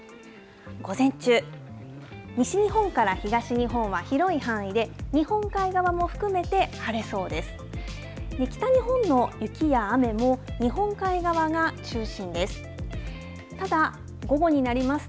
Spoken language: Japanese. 午前中、西日本から東日本は広い範囲で、日本海側も含めて晴れそうです。